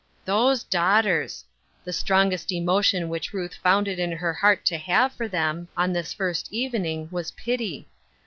Those daughters I The strongest emotion which Ruth found it in her heart to have for them, on this first evening, was pity.